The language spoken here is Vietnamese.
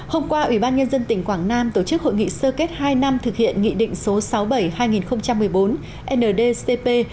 hôm qua ủy ban nhân dân tỉnh quảng nam tổ chức hội nghị sơ kết hai năm thực hiện nghị định số sáu mươi bảy hai nghìn một mươi bốn ndcp